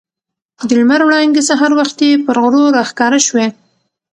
د لمر وړانګې سهار وختي پر غرو راښکاره شوې.